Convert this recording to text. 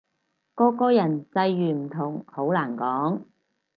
個個人際遇唔同，好難講